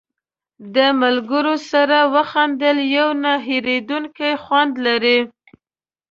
د ملګرو سره وخندل یو نه هېرېدونکی خوند لري.